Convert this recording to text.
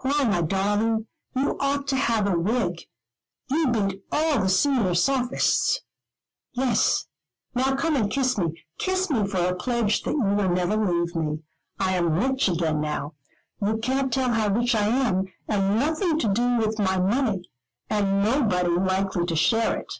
"Why, my darling, you ought to have a wig. You beat all the senior sophists." "Yes. Now come and kiss me. Kiss me for a pledge that you will never leave me. I am rich again now: you can't tell how rich I am, and nothing to do with my money, and nobody likely to share it.